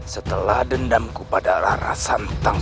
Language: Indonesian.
setelah dendamku pada rara santang